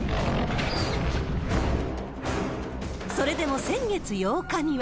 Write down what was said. それでも先月８日には。